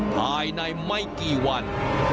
ภายในไม่กี่วัน